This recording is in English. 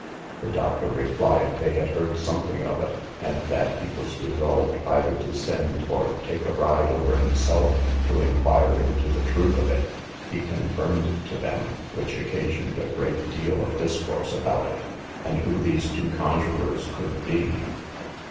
The doctor replied they had heard something of it, and that he was resolved either to send or take a ride over himself, to inquire into the truth of it. He confirmed it to them, which occasioned a great deal of discourse about it, and who these two conjurers could be.